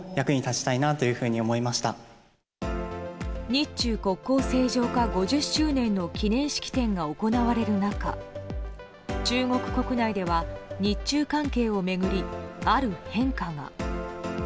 日中国交正常化５０周年の記念式典が行われる中中国国内では日中関係を巡りある変化が。